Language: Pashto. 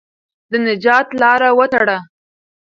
د نجات لاره وتړه.